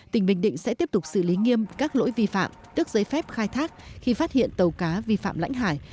tỉnh bình định sẽ tiếp tục xử lý nghiêm các lỗi vi phạm tức giấy phép khai thác khi phát hiện tàu cá vi phạm lãnh hải